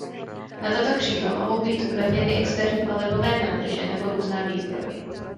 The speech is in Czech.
Na tato křídla mohou být upevněny externí palivové nádrže nebo různá výzbroj.